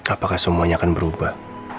apakah semuanya akan berubah